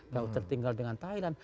jauh tertinggal dengan thailand